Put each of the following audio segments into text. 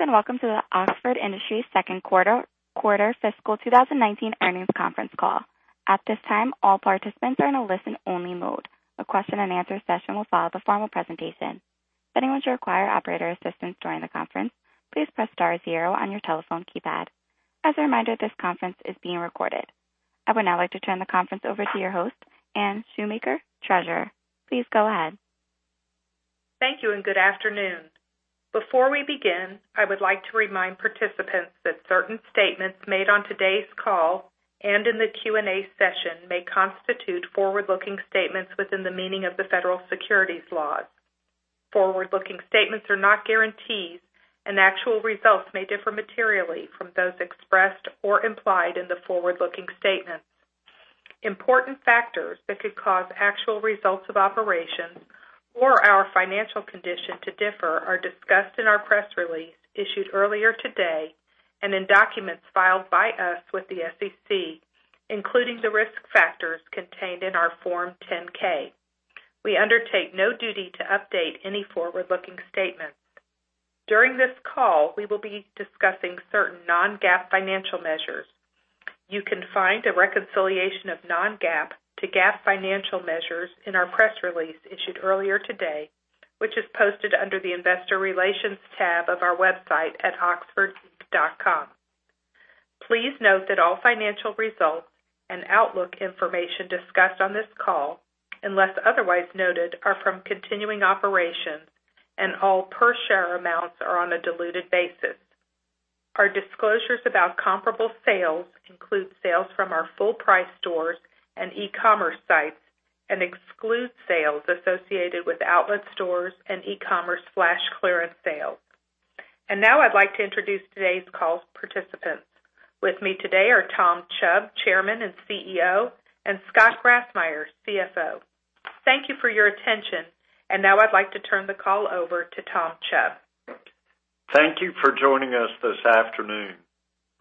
Greetings, welcome to the Oxford Industries second quarter fiscal 2019 earnings conference call. At this time, all participants are in a listen-only mode. A question and answer session will follow the formal presentation. If anyone should require operator assistance during the conference, please press star zero on your telephone keypad. As a reminder, this conference is being recorded. I would now like to turn the conference over to your host, Anne Shoemaker, Treasurer. Please go ahead. Thank you, and good afternoon. Before we begin, I would like to remind participants that certain statements made on today's call and in the Q&A session may constitute forward-looking statements within the meaning of the federal securities laws. Forward-looking statements are not guarantees, and actual results may differ materially from those expressed or implied in the forward-looking statements. Important factors that could cause actual results of operations or our financial condition to differ are discussed in our press release issued earlier today, and in documents filed by us with the SEC, including the risk factors contained in our Form 10-K. We undertake no duty to update any forward-looking statements. During this call, we will be discussing certain non-GAAP financial measures. You can find a reconciliation of non-GAAP to GAAP financial measures in our press release issued earlier today, which is posted under the investor relations tab of our website at oxfordinc.com. Please note that all financial results and outlook information discussed on this call, unless otherwise noted, are from continuing operations and all per share amounts are on a diluted basis. Our disclosures about comparable sales include sales from our full price stores and e-commerce sites and excludes sales associated with outlet stores and e-commerce flash clearance sales. Now I'd like to introduce today's call participants. With me today are Tom Chubb, Chairman and CEO, and Scott Grassmeyer, CFO. Thank you for your attention. Now I'd like to turn the call over to Tom Chubb. Thank you for joining us this afternoon.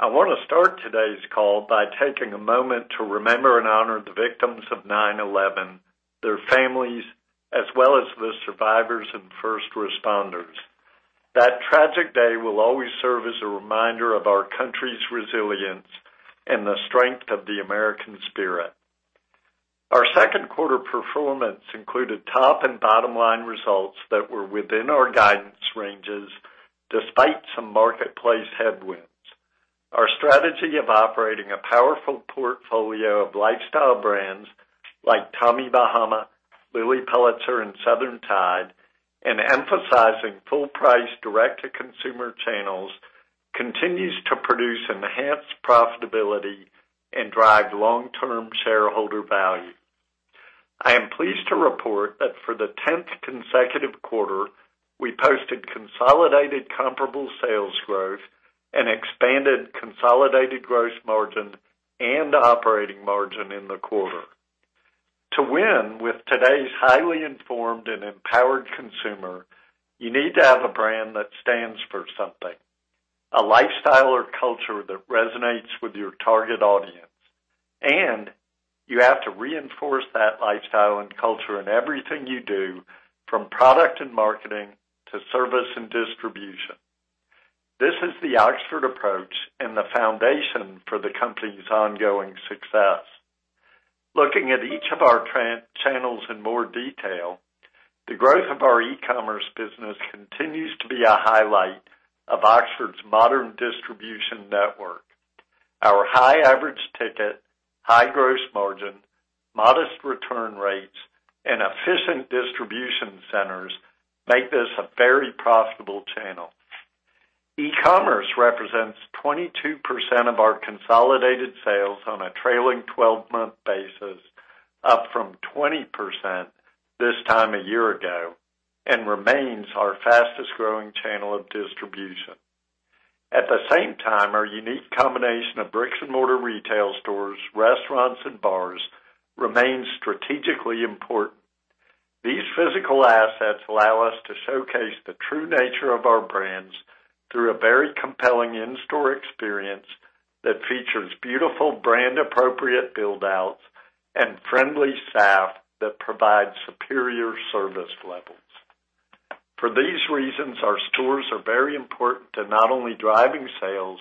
I want to start today's call by taking a moment to remember and honor the victims of 9/11, their families, as well as the survivors and first responders. That tragic day will always serve as a reminder of our country's resilience and the strength of the American spirit. Our second quarter performance included top and bottom line results that were within our guidance ranges, despite some marketplace headwinds. Our strategy of operating a powerful portfolio of lifestyle brands like Tommy Bahama, Lilly Pulitzer, and Southern Tide, and emphasizing full price direct to consumer channels continues to produce enhanced profitability and drive long term shareholder value. I am pleased to report that for the 10th consecutive quarter, we posted consolidated comparable sales growth and expanded consolidated gross margin and operating margin in the quarter. To win with today's highly informed and empowered consumer, you need to have a brand that stands for something, a lifestyle or culture that resonates with your target audience, and you have to reinforce that lifestyle and culture in everything you do, from product and marketing to service and distribution. This is the Oxford approach and the foundation for the company's ongoing success. Looking at each of our channels in more detail, the growth of our e-commerce business continues to be a highlight of Oxford's modern distribution network. Our high average ticket, high gross margin, modest return rates, and efficient distribution centers make this a very profitable channel. E-commerce represents 22% of our consolidated sales on a trailing 12-month basis, up from 20% this time a year ago, and remains our fastest growing channel of distribution. At the same time, our unique combination of bricks and mortar retail stores, restaurants, and bars remains strategically important. These physical assets allow us to showcase the true nature of our brands through a very compelling in-store experience that features beautiful brand appropriate buildouts and friendly staff that provide superior service levels. For these reasons, our stores are very important to not only driving sales,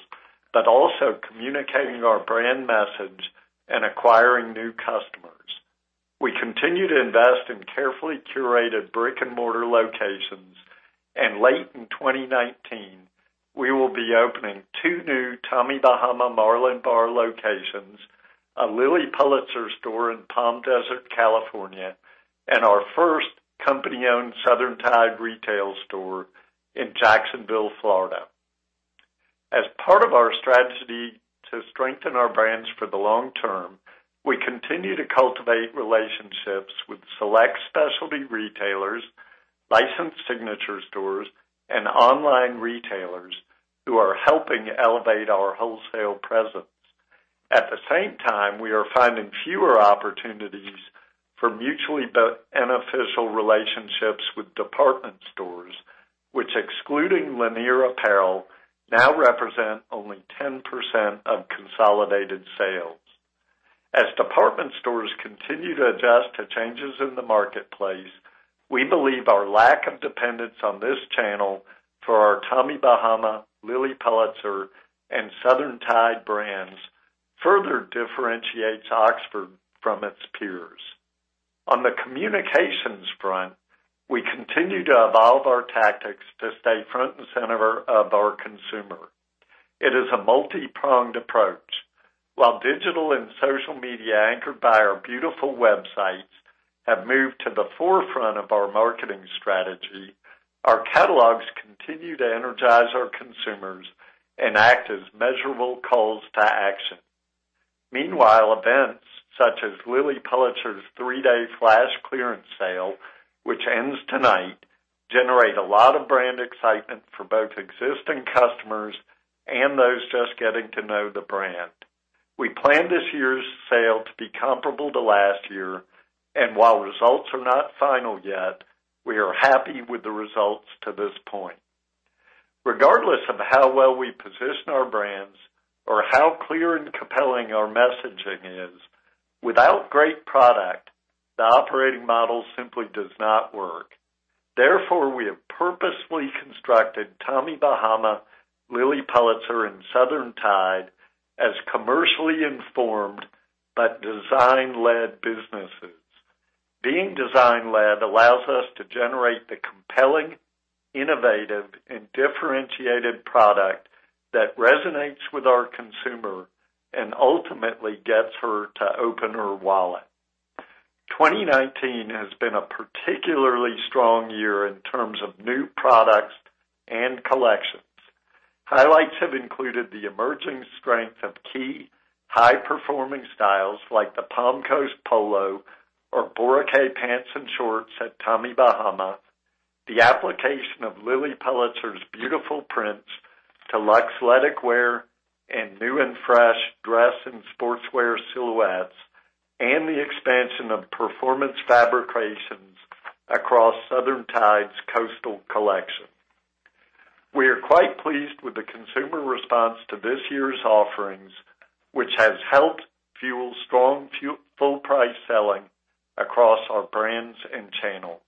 but also communicating our brand message and acquiring new customers. We continue to invest in carefully curated brick and mortar locations. Late in 2019, we will be opening two new Tommy Bahama Marlin Bar locations, a Lilly Pulitzer store in Palm Desert, California, and our first company-owned Southern Tide retail store in Jacksonville, Florida. As part of our strategy to strengthen our brands for the long term, we continue to cultivate relationships with select specialty retailers, licensed signature stores, and online retailers who are helping elevate our wholesale presence. At the same time, we are finding fewer opportunities for mutually beneficial relationships with department stores, which excluding Lanier Apparel, now represent only 10% of consolidated sales. As department stores continue to adjust to changes in the marketplace, we believe our lack of dependence on this channel for our Tommy Bahama, Lilly Pulitzer, and Southern Tide brands further differentiates Oxford from its peers. On the communications front, we continue to evolve our tactics to stay front and center of our consumer. It is a multipronged approach. While digital and social media anchored by our beautiful websites have moved to the forefront of our marketing strategy, our catalogs continue to energize our consumers and act as measurable calls to action. Meanwhile, events such as Lilly Pulitzer's three-day flash clearance sale, which ends tonight, generate a lot of brand excitement for both existing customers and those just getting to know the brand. We planned this year's sale to be comparable to last year, and while results are not final yet, we are happy with the results to this point. Regardless of how well we position our brands or how clear and compelling our messaging is, without great product, the operating model simply does not work. Therefore, we have purposefully constructed Tommy Bahama, Lilly Pulitzer, and Southern Tide as commercially informed but design-led businesses. Being design-led allows us to generate the compelling, innovative, and differentiated product that resonates with our consumer and ultimately gets her to open her wallet. 2019 has been a particularly strong year in terms of new products and collections. Highlights have included the emerging strength of key high-performing styles like the Palm Coast Polo or Boracay pants and shorts at Tommy Bahama, the application of Lilly Pulitzer's beautiful prints to Luxletic wear and new and fresh dress and sportswear silhouettes, and the expansion of performance fabrications across Southern Tide's coastal collection. We are quite pleased with the consumer response to this year's offerings, which has helped fuel strong full price selling across our brands and channels.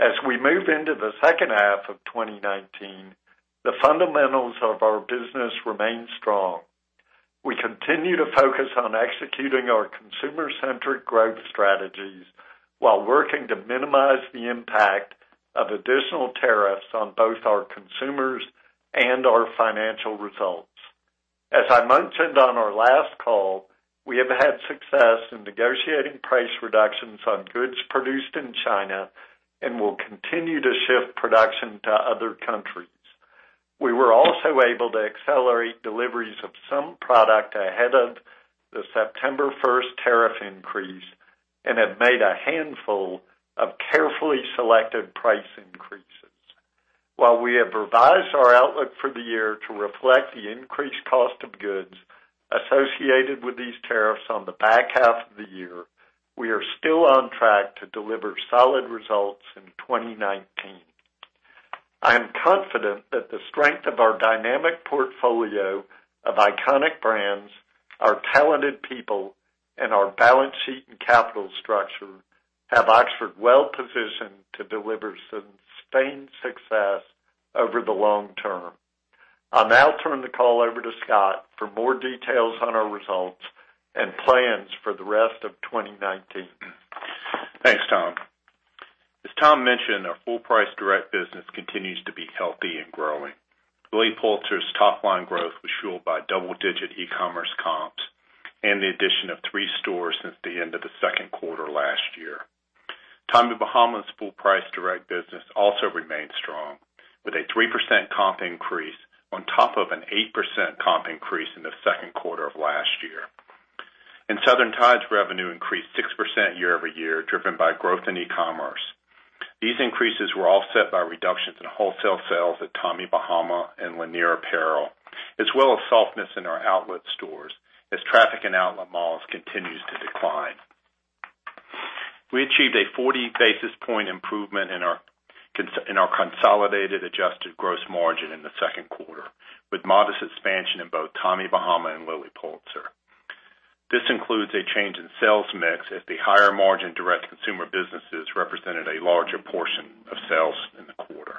As we move into the second half of 2019, the fundamentals of our business remain strong. We continue to focus on executing our consumer-centric growth strategies while working to minimize the impact of additional tariffs on both our consumers and our financial results. As I mentioned on our last call, we have had success in negotiating price reductions on goods produced in China and will continue to shift production to other countries. We were also able to accelerate deliveries of some product ahead of the September 1st tariff increase and have made a handful of carefully selected price increases. While we have revised our outlook for the year to reflect the increased cost of goods associated with these tariffs on the back half of the year, we are still on track to deliver solid results in 2019. I am confident that the strength of our dynamic portfolio of iconic brands, our talented people, and our balance sheet and capital structure have Oxford well-positioned to deliver sustained success over the long term. I'll now turn the call over to Scott for more details on our results and plans for the rest of 2019. Thanks, Tom. As Tom mentioned, our full price direct business continues to be healthy and growing. Lilly Pulitzer's top-line growth was fueled by double-digit e-commerce comps and the addition of three stores since the end of the second quarter last year. Tommy Bahama's full price direct business also remained strong with a 3% comp increase on top of an 8% comp increase in the second quarter of last year. Southern Tide's revenue increased 6% year-over-year, driven by growth in e-commerce. These increases were offset by reductions in wholesale sales at Tommy Bahama and Lanier Apparel, as well as softness in our outlet stores as traffic in outlet malls continues to decline. We achieved a 40 basis point improvement in our consolidated adjusted gross margin in the second quarter, with modest expansion in both Tommy Bahama and Lilly Pulitzer. This includes a change in sales mix as the higher margin direct consumer businesses represented a larger portion of sales in the quarter.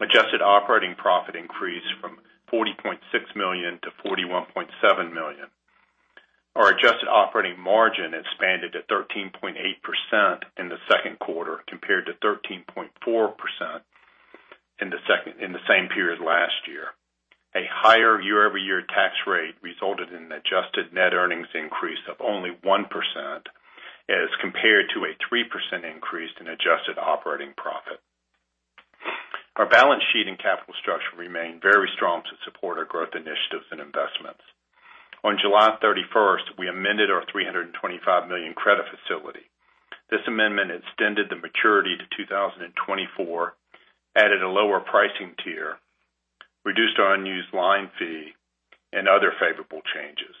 Adjusted operating profit increased from $40.6 million to $41.7 million. Our adjusted operating margin expanded to 13.8% in the second quarter, compared to 13.4% in the same period last year. A higher year-over-year tax rate resulted in an adjusted net earnings increase of only 1% as compared to a 3% increase in adjusted operating profit. Our balance sheet and capital structure remain very strong to support our growth initiatives and investments. On July 31st, we amended our $325 million credit facility. This amendment extended the maturity to 2024, added a lower pricing tier, reduced our unused line fee, and other favorable changes.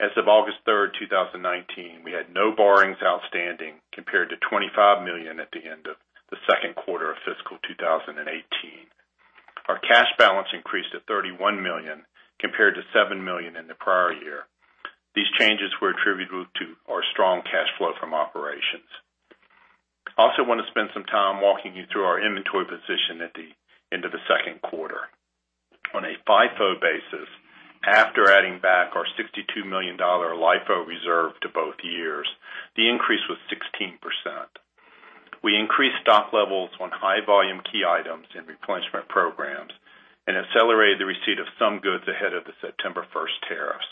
As of August 3rd, 2019, we had no borrowings outstanding compared to $25 million at the end of the second quarter of fiscal 2018. Our cash balance increased to $31 million, compared to $7 million in the prior year. These changes were attributable to our strong cash flow from operations. Also want to spend some time walking you through our inventory position at the end of the second quarter. On a FIFO basis, after adding back our $62 million LIFO reserve to both years, the increase was 16%. We increased stock levels on high volume key items and replenishment programs and accelerated the receipt of some goods ahead of the September 1st tariffs.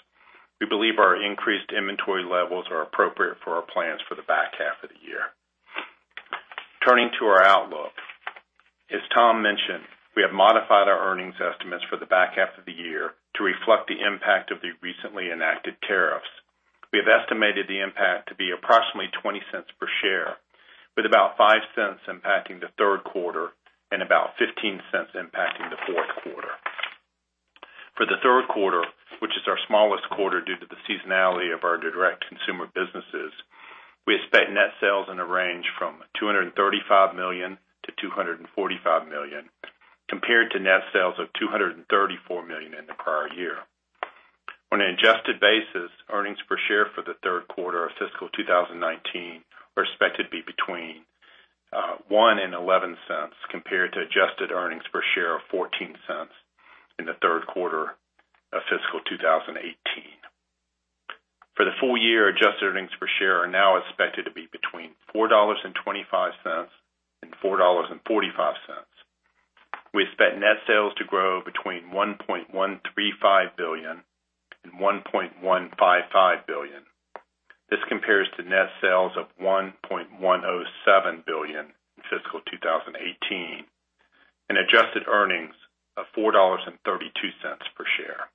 We believe our increased inventory levels are appropriate for our plans for the back half of the year. Turning to our outlook. As Tom mentioned, we have modified our earnings estimates for the back half of the year to reflect the impact of the recently enacted tariffs. We have estimated the impact to be approximately $0.20 per share, with about $0.05 impacting the third quarter and about $0.15 impacting the fourth quarter. For the third quarter, which is our smallest quarter due to the seasonality of our direct consumer businesses, we expect net sales in a range from $235 million-$245 million, compared to net sales of $234 million in the prior year. On an adjusted basis, earnings per share for the third quarter of fiscal 2019 are expected to be between $0.01 and $0.11, compared to adjusted earnings per share of $0.14 in the third quarter of fiscal 2018. For the full year, adjusted earnings per share are now expected to be between $4.25 and $4.45. We expect net sales to grow between $1.135 billion and $1.155 billion. This compares to net sales of $1.107 billion in fiscal 2018 and adjusted earnings of $4.32 per share.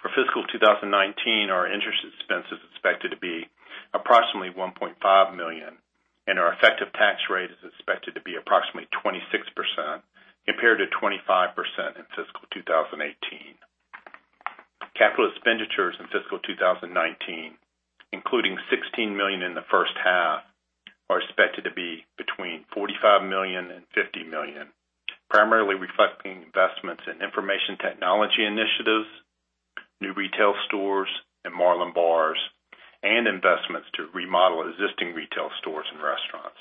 For fiscal 2019, our interest expense is expected to be approximately $1.5 million, and our effective tax rate is expected to be approximately 26%, compared to 25% in fiscal 2018. Capital expenditures in fiscal 2019, including $16 million in the first half, are expected to be between $45 million and $50 million, primarily reflecting investments in information technology initiatives, new retail stores and Marlin Bars, and investments to remodel existing retail stores and restaurants.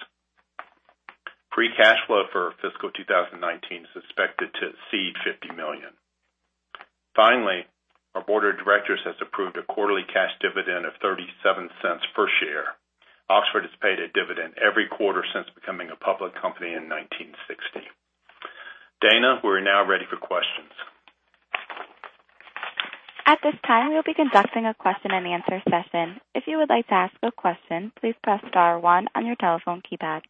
Free cash flow for fiscal 2019 is expected to exceed $50 million. Finally, our board of directors has approved a quarterly cash dividend of $0.37 per share. Oxford has paid a dividend every quarter since becoming a public company in 1960. Dana, we're now ready for questions. At this time, we'll be conducting a question and answer session. If you would like to ask a question, please press star 1 on your telephone keypad.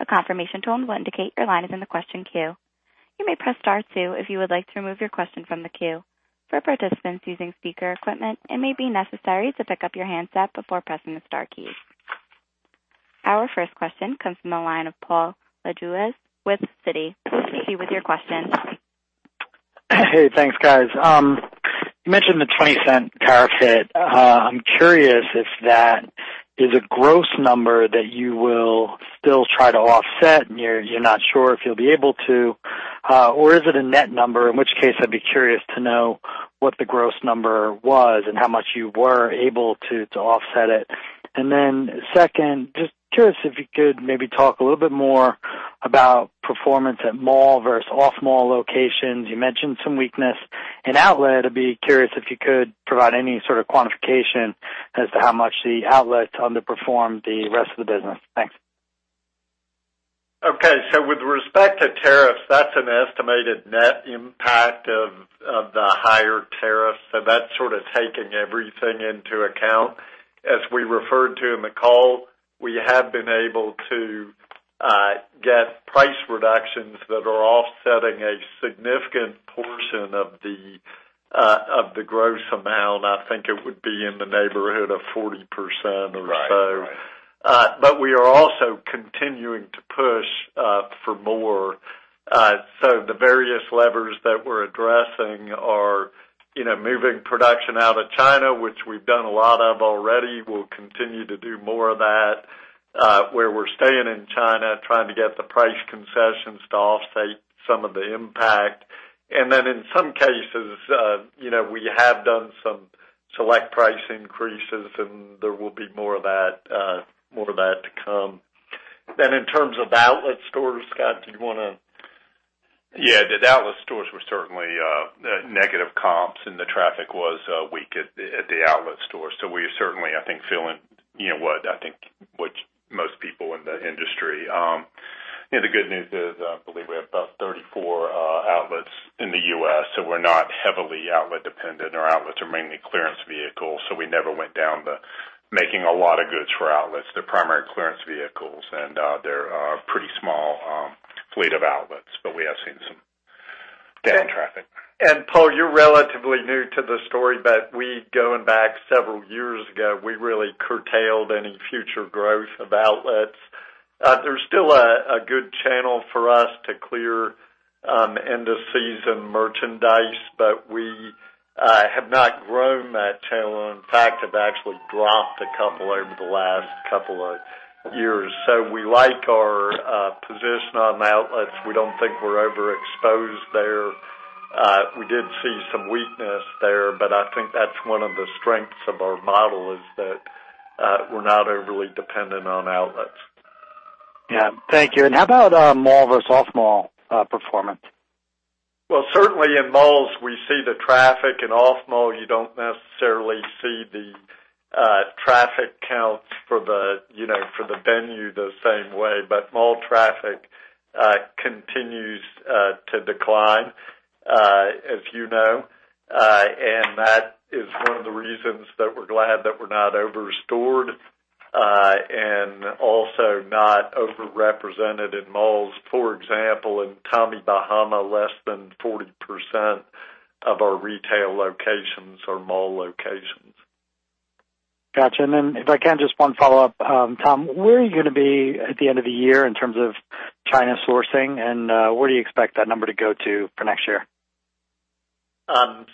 A confirmation tone will indicate your line is in the question queue. You may press star 2 if you would like to remove your question from the queue. For participants using speaker equipment, it may be necessary to pick up your handset before pressing the star keys. Our first question comes from the line of Paul Lejuez with Citigroup. Please proceed with your question. Hey, thanks, guys. You mentioned the $0.20 tariff hit. I'm curious if that is a gross number that you will still try to offset and you're not sure if you'll be able to, or is it a net number? In which case, I'd be curious to know what the gross number was and how much you were able to offset it. Second, just curious if you could maybe talk a little bit more about performance at mall versus off-mall locations. You mentioned some weakness in outlet. I'd be curious if you could provide any sort of quantification as to how much the outlet underperformed the rest of the business. Thanks. Okay. With respect to tariffs, that's an estimated net impact of the higher tariff. That's sort of taking everything into account. As we referred to in the call, we have been able to get price reductions that are offsetting a significant portion of the gross amount. I think it would be in the neighborhood of 40% or so. Right. We are also continuing to push for more. The various levers that we're addressing are moving production out of China, which we've done a lot of already. We'll continue to do more of that. Where we're staying in China, trying to get the price concessions to offset some of the impact. In some cases, we have done some select price increases, and there will be more of that to come. In terms of the outlet stores, Scott, do you want to Yeah. The outlet stores were certainly negative comps and the traffic was weak at the outlet stores. We are certainly, I think feeling what I think which most people in the industry. The good news is, I believe we have about 34 outlets in the U.S., so we're not heavily outlet dependent. Our outlets are mainly clearance vehicles. We never went down the making a lot of goods for outlets. They're primary clearance vehicles and they're a pretty small fleet of outlets, but we have seen some down traffic. Paul, you're relatively new to the story, but we going back several years ago, we really curtailed any future growth of outlets. They're still a good channel for us to clear end of season merchandise, but we have not grown that channel in have actually dropped a couple over the last couple of years. We like our position on outlets. We don't think we're overexposed there. We did see some weakness there, I think that's one of the strengths of our model, is that we're not overly dependent on outlets. Yeah. Thank you. How about mall versus off-mall performance? Certainly in malls, we see the traffic. In off-mall, you don't necessarily see the traffic counts for the venue the same way. Mall traffic continues to decline, as you know. That is one of the reasons that we're glad that we're not over-stored, and also not over-represented in malls. For example, in Tommy Bahama, less than 40% of our retail locations are mall locations. Got you. If I can, just one follow-up. Tom, where are you going to be at the end of the year in terms of China sourcing, and where do you expect that number to go to for next year?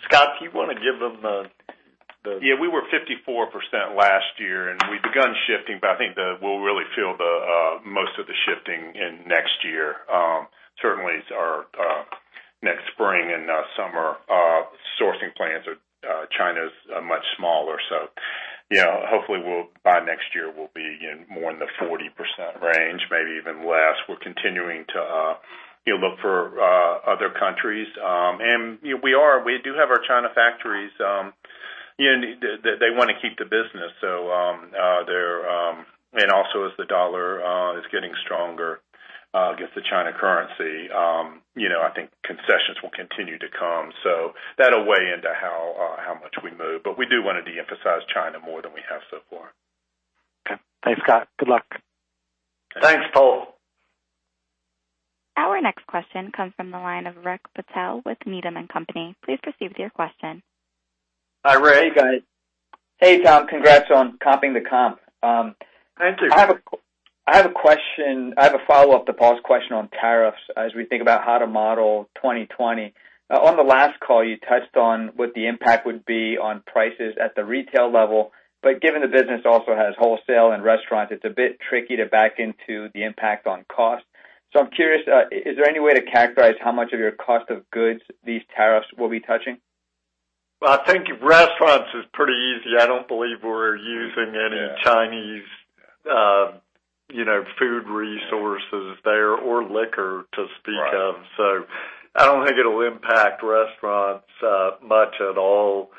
Scott, do you want to give them? Yeah, we were 54% last year. We've begun shifting. I think that we'll really feel most of the shifting in next year. Certainly next spring and summer sourcing plans of China's much smaller. Hopefully, by next year, we'll be more in the 40% range, maybe even less. We're continuing to look for other countries. We do have our China factories. They want to keep the business. Also, as the dollar is getting stronger against the China currency, I think concessions will continue to come. That'll weigh into how much we move. We do want to de-emphasize China more than we have so far. Okay. Thanks, Scott. Good luck. Thanks, Paul. Our next question comes from the line of Rick Patel with Needham & Company. Please proceed with your question. Hi, Rick. Hey, guys. Hey, Tom. Congrats on copping the comp. Thank you. I have a follow-up to Paul's question on tariffs as we think about how to model 2020. On the last call, you touched on what the impact would be on prices at the retail level, but given the business also has wholesale and restaurants, it's a bit tricky to back into the impact on cost. I'm curious, is there any way to characterize how much of your cost of goods these tariffs will be touching? Well, I think restaurants is pretty easy. I don't believe we're using any Chinese food resources there or liquor to speak of. Right. I don't think it'll impact restaurants much at all.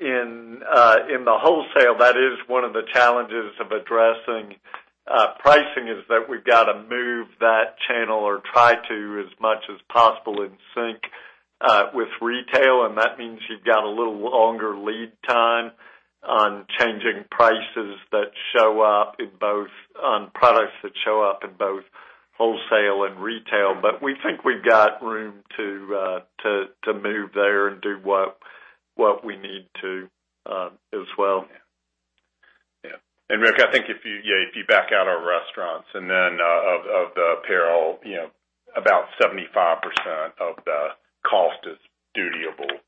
In the wholesale, that is one of the challenges of addressing pricing, is that we've got to move that channel or try to as much as possible in sync with retail, and that means you've got a little longer lead time on changing prices that show up in both on products that show up in both wholesale and retail. We think we've got room to move there and do what we need to as well. Yeah. Yeah. Rick, I think if you back out our restaurants and then of the apparel, about 75% of the cost is dutiable.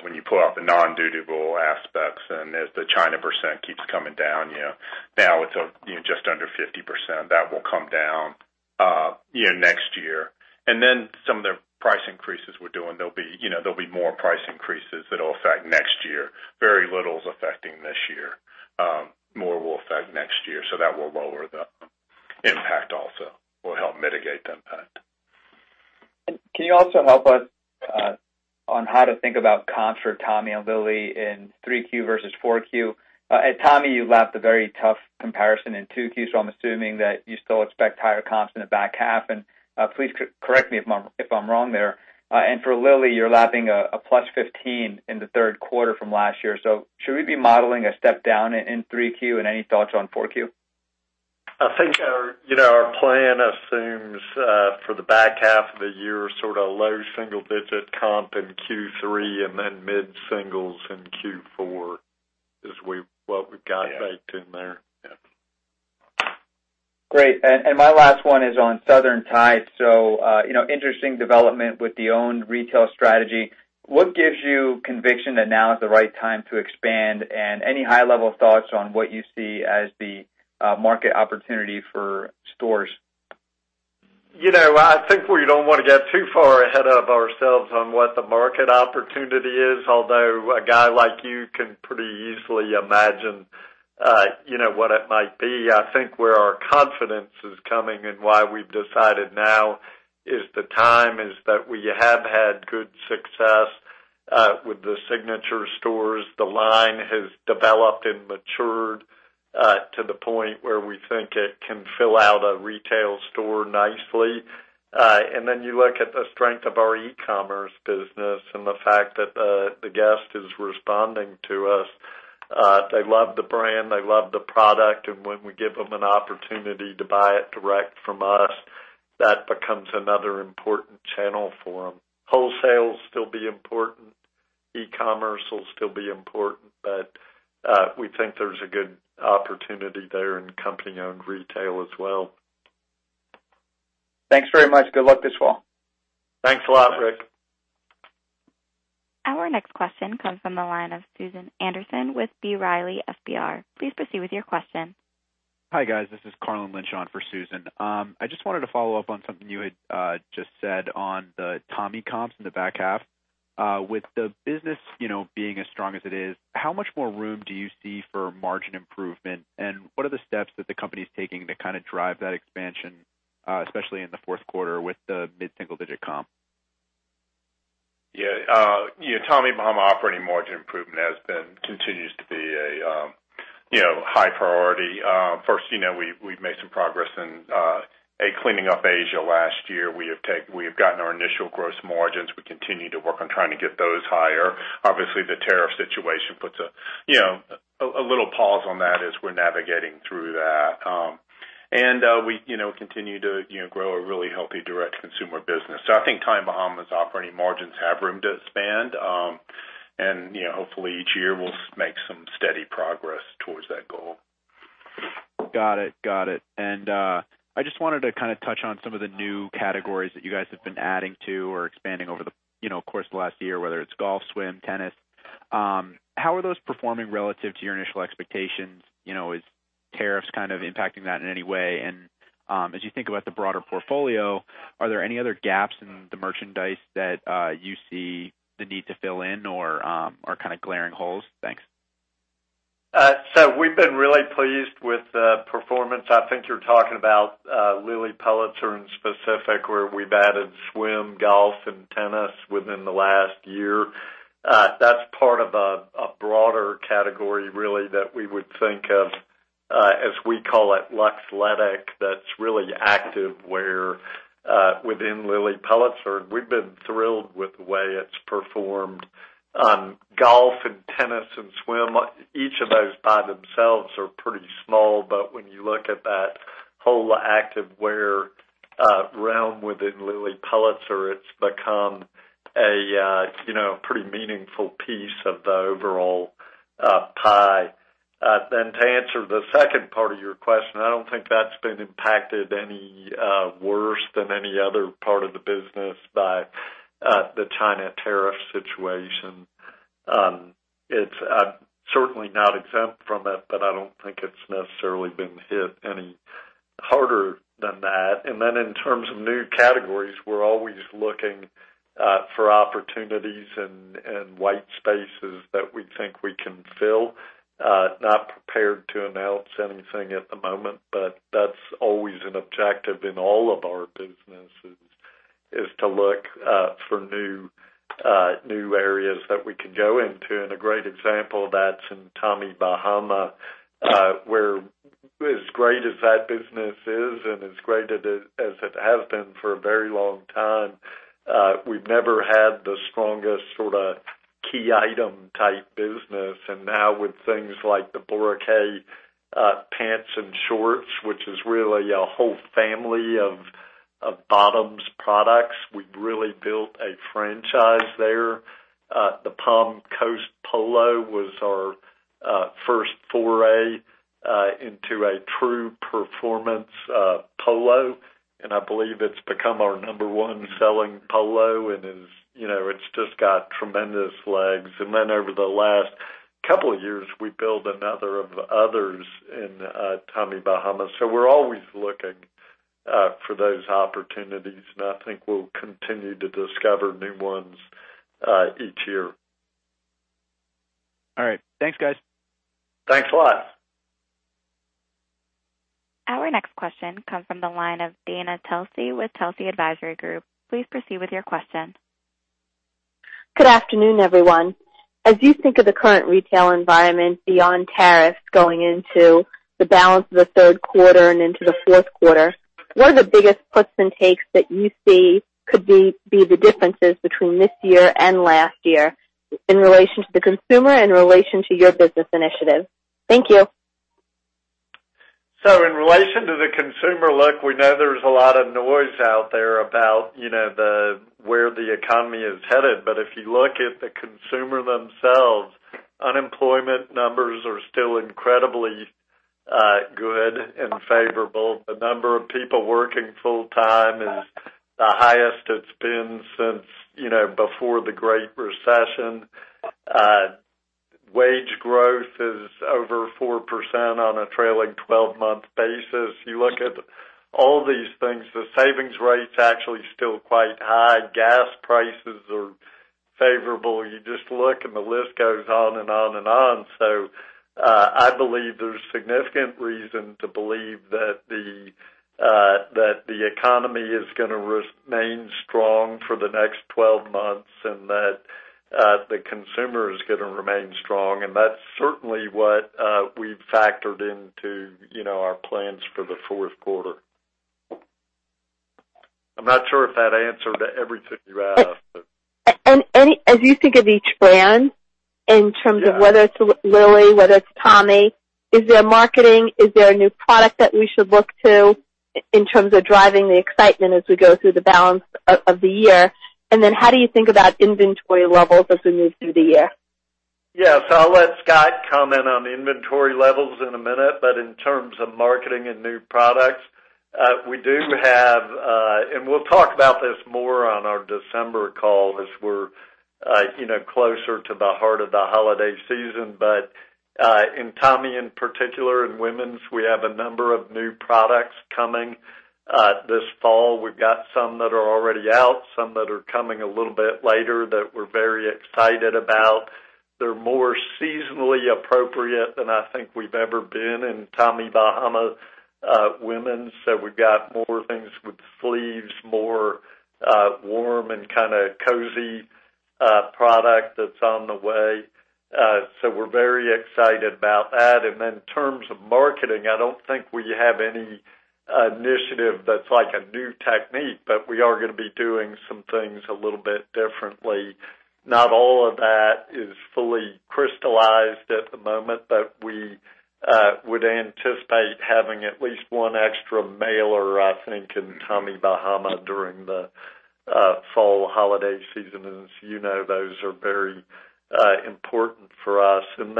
When you pull out the non-dutiable aspects, and as the China percent keeps coming down, now it's just under 50%. That will come down next year. Then some of the price increases we're doing, there'll be more price increases that'll affect next year. Very little is affecting this year. More will affect next year. That will lower the impact also, will help mitigate the impact. Can you also help us on how to think about comps for Tommy and Lilly in three Q versus four Q? At Tommy, you lapped a very tough comparison in two Q, so I'm assuming that you still expect higher comps in the back half. Please correct me if I'm wrong there. For Lilly, you're lapping a +15% in the third quarter from last year. Should we be modeling a step down in three Q, and any thoughts on four Q? I think our plan assumes for the back half of the year sort of low single-digit comp in Q3 and then mid-singles in Q4 is what we've got baked in there. Yeah. Great. My last one is on Southern Tide. Interesting development with the owned retail strategy. What gives you conviction that now is the right time to expand? Any high-level thoughts on what you see as the market opportunity for stores? I think we don't want to get too far ahead of ourselves on what the market opportunity is. A guy like you can pretty easily imagine what it might be. I think where our confidence is coming and why we've decided now is the time is that we have had good success with the signature stores. The line has developed and matured to the point where we think it can fill out a retail store nicely. You look at the strength of our e-commerce business and the fact that the guest is responding to us. They love the brand, they love the product, and when we give them an opportunity to buy it direct from us, that becomes another important channel for them. Wholesale will still be important, e-commerce will still be important, but we think there's a good opportunity there in company-owned retail as well. Thanks very much. Good luck this fall. Thanks a lot, Rick. Our next question comes from the line of Susan Anderson with B. Riley FBR. Please proceed with your question. Hi, guys. This is Carlin Lynch on for Susan. I just wanted to follow up on something you had just said on the Tommy comps in the back half. With the business being as strong as it is, how much more room do you see for margin improvement, and what are the steps that the company's taking to drive that expansion, especially in the fourth quarter with the mid-single-digit comp? Yeah. Tommy Bahama operating margin improvement continues to be a high priority. First, we've made some progress in cleaning up Asia last year. We have gotten our initial gross margins. We continue to work on trying to get those higher. Obviously, the tariff situation puts a little pause on that as we're navigating through that. We continue to grow a really healthy direct consumer business. I think Tommy Bahama's operating margins have room to expand. Hopefully each year we'll make some steady progress towards that goal. Got it. I just wanted to touch on some of the new categories that you guys have been adding to or expanding over the course of the last year, whether it's golf, swim, tennis. How are those performing relative to your initial expectations? Is tariffs impacting that in any way? As you think about the broader portfolio, are there any other gaps in the merchandise that you see the need to fill in or are glaring holes? Thanks. We've been really pleased with the performance. I think you're talking about Lilly Pulitzer in specific, where we've added swim, golf, and tennis within the last year. That's part of a broader category really that we would think of as we call it, Luxletic, that's really activewear within Lilly Pulitzer, and we've been thrilled with the way it's performed. Golf and tennis and swim, each of those by themselves are pretty small. When you look at that whole activewear realm within Lilly Pulitzer, it's become a pretty meaningful piece of the overall pie. To answer the second part of your question, I don't think that's been impacted any worse than any other part of the business by the China tariff situation. It's certainly not exempt from it, but I don't think it's necessarily been hit any harder than that. In terms of new categories, we're always looking for opportunities and white spaces that we think we can fill. Not prepared to announce anything at the moment, but that's always an objective in all of our businesses, is to look for new areas that we can go into. A great example of that's in Tommy Bahama, where as great as that business is and as great as it has been for a very long time, we've never had the strongest sort of key item type business. Now with things like the Boracay pants and shorts, which is really a whole family of bottoms products, we've really built a franchise there. The Palm Coast Polo was our first foray into a true performance polo, and I believe it's become our number 1 selling polo and it's just got tremendous legs. Over the last couple of years, we built another of others in Tommy Bahama. We're always looking for those opportunities, and I think we'll continue to discover new ones each year. All right. Thanks, guys. Thanks a lot. Our next question comes from the line of Dana Telsey with Telsey Advisory Group. Please proceed with your question. Good afternoon, everyone. As you think of the current retail environment beyond tariffs going into the balance of the third quarter and into the fourth quarter, what are the biggest puts and takes that you see could be the differences between this year and last year in relation to the consumer, in relation to your business initiative? Thank you. In relation to the consumer, look, we know there's a lot of noise out there about where the economy is headed. If you look at the consumer themselves, unemployment numbers are still incredibly good and favorable. The number of people working full time is the highest it's been since before the Great Recession. Wage growth is over 4% on a trailing 12-month basis. You look at all these things, the savings rate's actually still quite high. Gas prices are favorable. You just look and the list goes on and on and on. I believe there's significant reason to believe that the economy is going to remain strong for the next 12 months and that the consumer is going to remain strong, and that's certainly what we've factored into our plans for the fourth quarter. I'm not sure if that answered everything you asked. As you think of each brand in terms of whether it's Lilly, whether it's Tommy, is there marketing? Is there a new product that we should look to in terms of driving the excitement as we go through the balance of the year? Then how do you think about inventory levels as we move through the year? Yes. I'll let Scott comment on the inventory levels in a minute. In terms of marketing and new products, we'll talk about this more on our December call as we're closer to the heart of the holiday season. In Tommy in particular, in women's, we have a number of new products coming this fall. We've got some that are already out, some that are coming a little bit later that we're very excited about. They're more seasonally appropriate than I think we've ever been in Tommy Bahama women's. We've got more things with sleeves, more warm and cozy product that's on the way. We're very excited about that. In terms of marketing, I don't think we have any initiative that's like a new technique, but we are going to be doing some things a little bit differently. Not all of that is fully crystallized at the moment, but we would anticipate having at least one extra mailer, I think, in Tommy Bahama during the fall holiday season. As you know, those are very important for us. Then,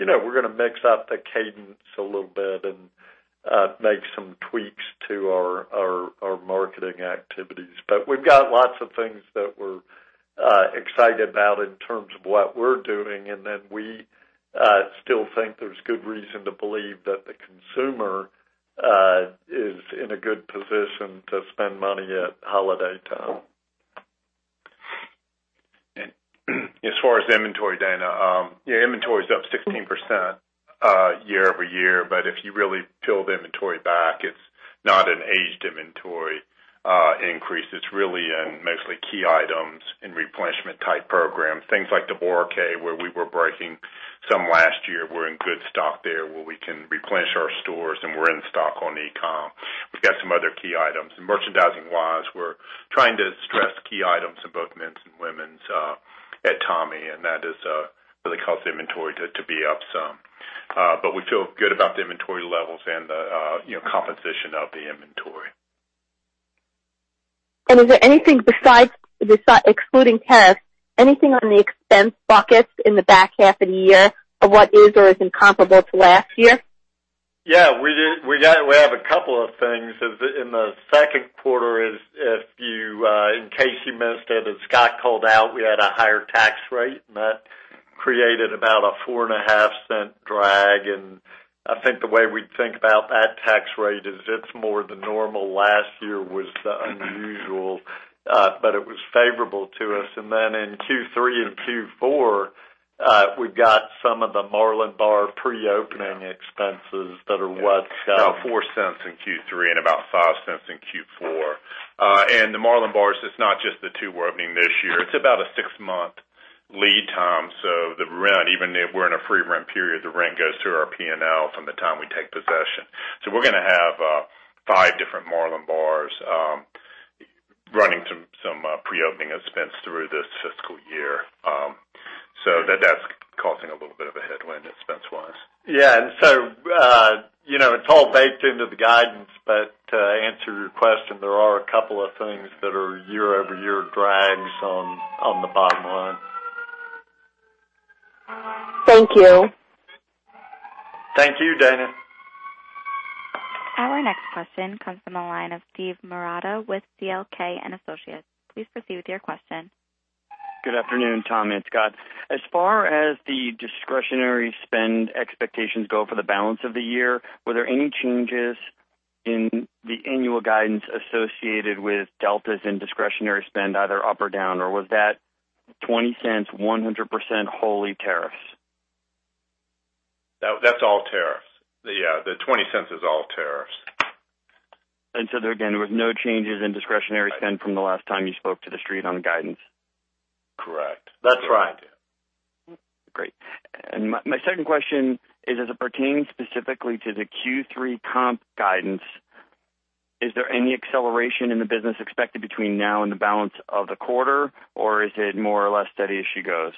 we're going to mix up the cadence a little bit and make some tweaks to our marketing activities. We've got lots of things that we're excited about in terms of what we're doing. Then we still think there's good reason to believe that the consumer is in a good position to spend money at holiday time. As far as inventory, Dana, inventory is up 16% year-over-year. If you really peel the inventory back, it's not an aged inventory increase. It's really in mostly key items and replenishment type programs. Things like the Boracay, where we were breaking some last year. We're in good stock there, where we can replenish our stores, and we're in stock on e-com. We've got some other key items. Merchandising wise, we're trying to stress key items in both men's and women's at Tommy, and that has really caused the inventory to be up some. We feel good about the inventory levels and the composition of the inventory. Is there anything excluding tariffs, anything on the expense buckets in the back half of the year of what is or isn't comparable to last year? Yeah. We have a couple of things. In the second quarter is, in case you missed it, as Scott called out, we had a higher tax rate, that created about a $0.045 drag. I think the way we think about that tax rate is it's more the normal. Last year was the unusual, but it was favorable to us. Then in Q3 and Q4, we've got some of the Marlin Bar pre-opening expenses. About $0.04 in Q3 and about $0.05 in Q4. The Marlin Bar, it's not just the two we're opening this year. It's about a six-month lead time. The rent, even if we're in a free rent period, the rent goes through our P&L from the time we take possession. We're going to have five different Marlin Bars running some pre-opening expense through this fiscal year. That's causing a little bit of a headwind expense wise. Yeah. It's all baked into the guidance, but to answer your question, there are a couple of things that are year-over-year drags on the bottom line. Thank you. Thank you, Dana. Our next question comes from the line of Steve Marotta with C.L. King & Associates. Please proceed with your question. Good afternoon, Tom and Scott. As far as the discretionary spend expectations go for the balance of the year, were there any changes in the annual guidance associated with deltas in discretionary spend, either up or down, or was that $0.20, 100% wholly tariffs? That's all tariffs. Yeah, the $0.20 is all tariffs. There again, there was no changes in discretionary spend from the last time you spoke to the street on guidance. Correct. That's right. Great. My second question is as it pertains specifically to the Q3 comp guidance, is there any acceleration in the business expected between now and the balance of the quarter? Or is it more or less steady as she goes?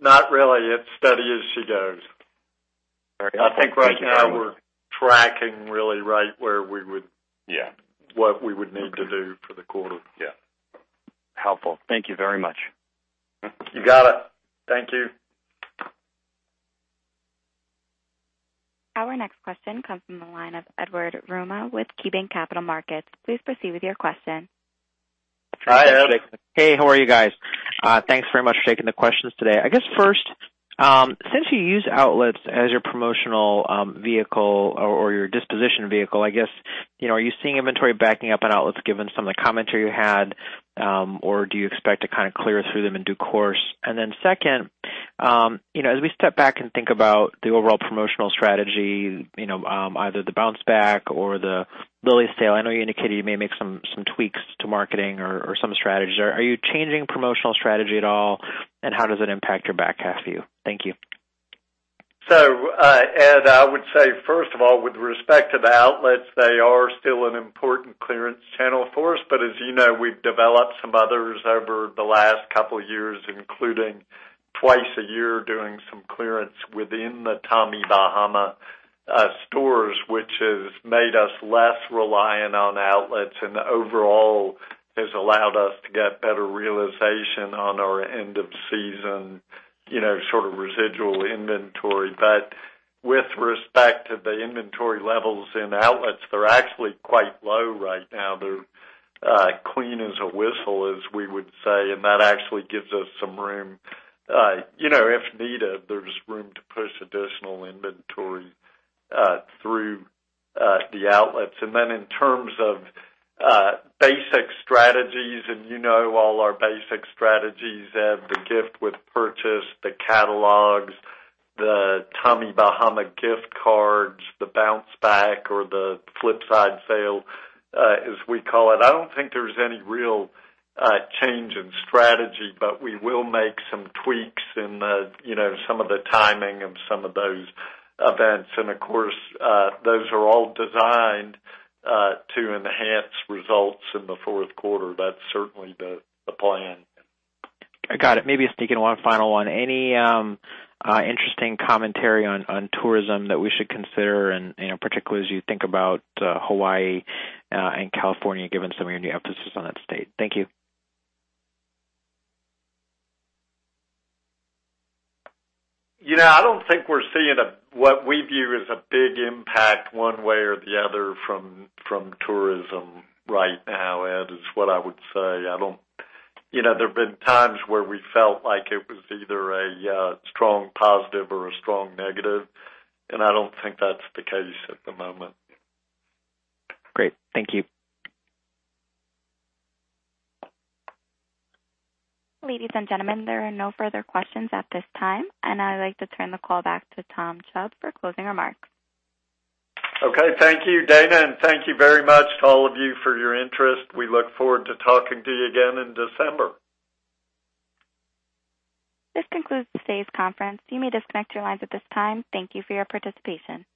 Not really. It's steady as she goes. Very helpful. Thank you. I think right now we're tracking really right where we would- Yeah what we would need to do for the quarter. Yeah. Helpful. Thank you very much. You got it. Thank you. Our next question comes from the line of Edward Yruma with KeyBanc Capital Markets. Please proceed with your question. Hi, Ed. Hey, how are you guys? Thanks very much for taking the questions today. First, since you use outlets as your promotional vehicle or your disposition vehicle, are you seeing inventory backing up on outlets given some of the commentary you had? Do you expect to clear through them in due course? Second, as we step back and think about the overall promotional strategy, either the bounce back or the Lilly sale, I know you indicated you may make some tweaks to marketing or some strategies. Are you changing promotional strategy at all, and how does it impact your back half view? Thank you. Ed, I would say, first of all, with respect to the outlets, they are still an important clearance channel for us. As you know, we've developed some others over the last couple of years, including twice a year, doing some clearance within the Tommy Bahama stores, which has made us less reliant on outlets and overall has allowed us to get better realization on our end of season, sort of residual inventory. With respect to the inventory levels in outlets, they're actually quite low right now. They're clean as a whistle, as we would say, and that actually gives us some room. If needed, there's room to push additional inventory through the outlets. In terms of basic strategies, and you know all our basic strategies, Ed, the gift with purchase, the catalogs, the Tommy Bahama gift cards, the bounce back, or the flip side sale, as we call it. I don't think there's any real change in strategy, but we will make some tweaks in some of the timing of some of those events. Of course, those are all designed to enhance results in the fourth quarter. That's certainly the plan. I got it. Maybe just sneak in one final one. Any interesting commentary on tourism that we should consider, and particularly as you think about Hawaii and California, given some of your new emphasis on that state? Thank you. I don't think we're seeing what we view as a big impact one way or the other from tourism right now, Ed, is what I would say. There have been times where we felt like it was either a strong positive or a strong negative, and I don't think that's the case at the moment. Great, thank you. Ladies and gentlemen, there are no further questions at this time, and I'd like to turn the call back to Tom Chubb for closing remarks. Okay, thank you, Dana, and thank you very much to all of you for your interest. We look forward to talking to you again in December. This concludes today's conference. You may disconnect your lines at this time. Thank you for your participation.